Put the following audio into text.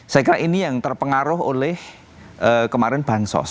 saya kira ini yang terpengaruh oleh kemarin bansos